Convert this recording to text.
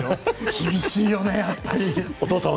厳しいよね、やっぱり。